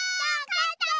かったぐ。